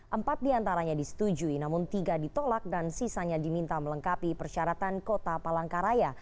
empat diantaranya disetujui namun tiga ditolak dan sisanya diminta melengkapi persyaratan kota palangkaraya